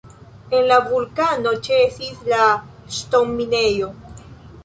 En la vulkano ĉesis la ŝtonminejo.